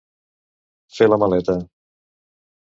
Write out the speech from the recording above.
Fer la maleta.